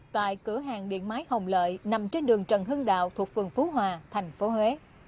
tại cửa hàng điện máy hồng lợi nằm trên đường trần hưng đạo thuộc phường phú hòa thành phố huế